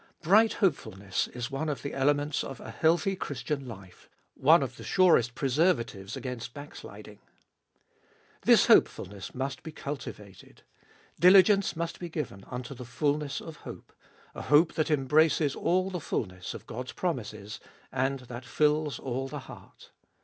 Bright hopefulness is one of the elements of a healthy Christian life — one of the surest preserva tives against backsliding. This hopefulness must be cultivated ; diligence must be given unto the fulness of hope — a hope that embraces all the fulness of God's promises, and that fills all the heart.